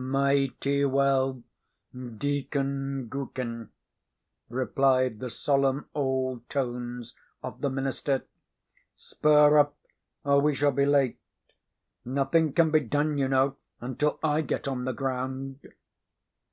"Mighty well, Deacon Gookin!" replied the solemn old tones of the minister. "Spur up, or we shall be late. Nothing can be done, you know, until I get on the ground."